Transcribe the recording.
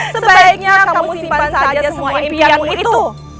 sebaiknya kamu simpan saja semua impian itu